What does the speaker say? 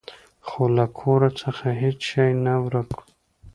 خو له کور څخه هیڅ شی نه و ورک.